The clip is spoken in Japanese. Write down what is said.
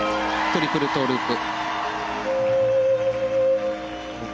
トリプルループ。